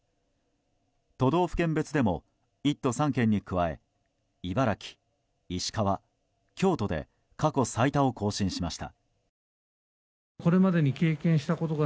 都道府県別でも１都３県に加え茨城、石川、京都で過去最多を更新しました。